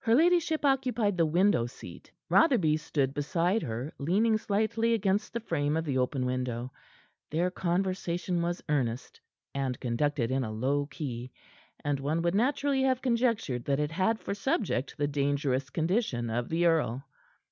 Her ladyship occupied the window seat; Rotherby stood beside her, leaning slightly against the frame of the open window. Their conversation was earnest and conducted in a low key, and one would naturally have conjectured that it had for subject the dangerous condition of the earl.